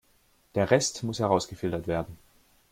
Der Rest muss herausgefiltert werden.